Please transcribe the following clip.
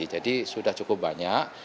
jadi sudah cukup banyak